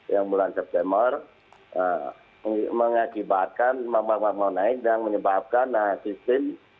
yang bulan september mengakibatkan naik dan menyebabkan sistem